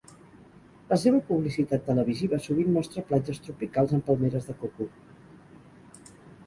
La seva publicitat televisiva sovint mostra platges tropicals amb palmeres de coco.